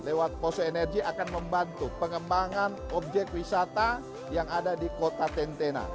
lewat poso energi akan membantu pengembangan objek wisata yang ada di kota tentena